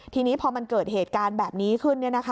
ทีนี้พอมันเกิดเหตุการณ์แบบนี้ขึ้น